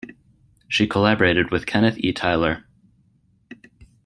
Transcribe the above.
She collaborated with Kenneth E. Tyler.